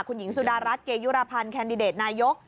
คุณหญิงสุดารัฐเกยุรพันธ์แคนดิเดตนายก